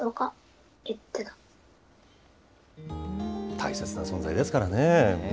大切な存在ですからね。